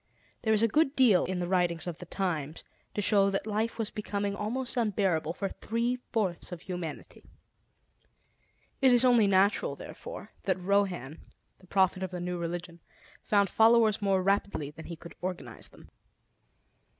There is a good deal in the writings of the times to show that life was becoming almost unbearable for three fourths of humanity. It is only natural, therefore, that Rohan, the prophet of the new religion, found followers more rapidly than he could organize them.